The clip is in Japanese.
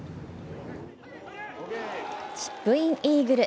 チップインイーグル。